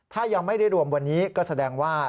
ถ้ายังไม่ได้รวมวันนี้ก็แสดงว่า